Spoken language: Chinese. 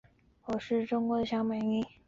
紫萝兰芋螺为芋螺科芋螺属下的一个种。